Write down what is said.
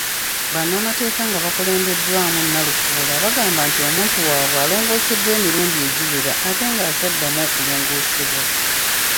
Bannamateeka nga bakulembeddwamu Nalukoola bagamba nti omuntu waabwe alongooseddwa emirundi egiwera ate ng'akyaddamu okulongoosebwa.